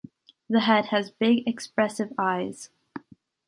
The head has big expressive eyes.